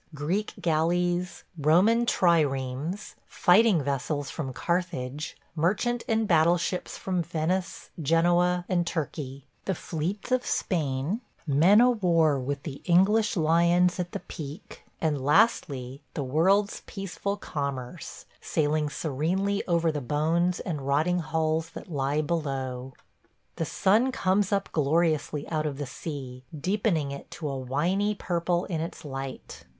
. Greek galleys, Roman triremes, fighting vessels from Carthage, merchant and battle ships from Venice, Genoa, and Turkey; the fleets of Spain; men o' war with the English lions at the peak; and, lastly, the world's peaceful commerce, sailing serenely over the bones and rotting hulls that lie below. ... The sun comes up gloriously out of the sea, deepening it to a winy purple in its light.